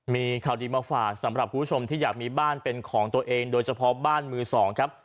มีข่าวดีมาฝากสำหรับคุณผู้ชมที่อยากมีบ้านเป็นของตัวเองโดยเฉพาะบ้านมือสองครับ